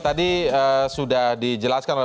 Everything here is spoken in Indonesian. tadi sudah dijelaskan oleh